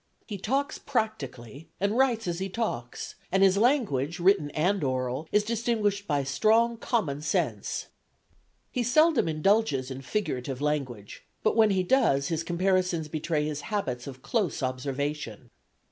He talks practically, and writes as he talks, and his language, written and oral, is distinguished by strong common sense. "He seldom indulges in figurative language; but when he does his comparisons betray his habits of close observation.